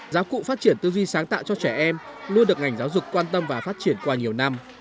giáo cụ phát triển tư duy sáng tạo cho trẻ em luôn được ngành giáo dục quan tâm và phát triển qua nhiều năm